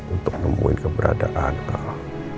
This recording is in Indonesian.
untuk nemuin keberadaan kau